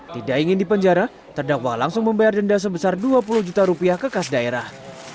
tidak ingin dipenjara terdakwa langsung membayar denda sebesar dua puluh juta rupiah kekas daerah